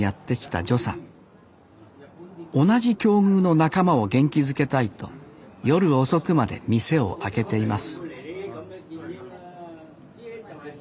同じ境遇の仲間を元気づけたいと夜遅くまで店を開けています